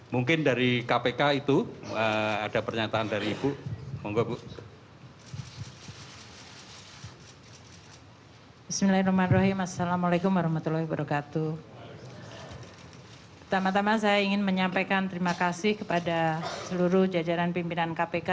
mungkin dari kpk itu ada pernyataan dari ibu